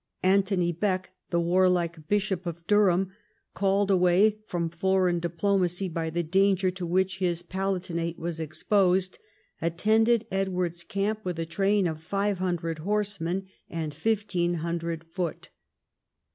An thony Bek, the warlike bishop of Durham, called away from foreign diplomacy by the danger to which his Pala tinate was exposed, attended Edward's camp with a train of 500 horsemen and 1500 foot.